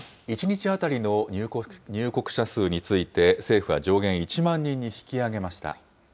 １日当たりの入国者数について、政府は上限１万人に引き上げました。